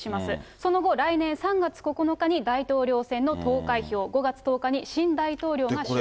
その後、来年３月９日に大統領選の投開票、５月１０日に新大統領が就任します。